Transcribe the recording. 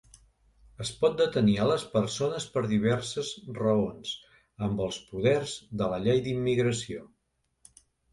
Es pot detenir a les persones per diverses raons amb els poders de la Llei d'Immigració.